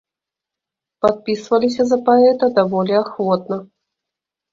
Падпісваліся за паэта даволі ахвотна.